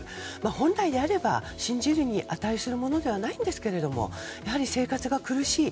本来であれば信じるに値するものではないんだけれども生活が苦しい